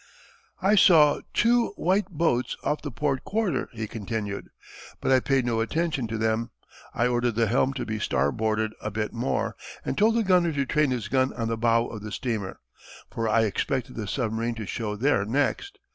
"I saw two white boats off the port quarter," he continued. "But I paid no attention to them. I ordered the helm to be star boarded a bit more, and told the gunner to train his gun on the bow of the steamer; for I expected the submarine to show there next.